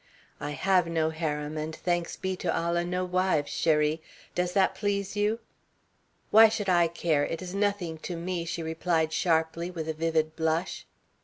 "I have no harem and, thanks be to Allah, no wives, cherie. Does that please you?" "Why should I care? It is nothing to me," she replied sharply, with a vivid blush.